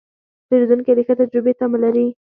پیرودونکی د ښه تجربې تمه لري.